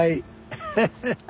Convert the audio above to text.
ハハハハ！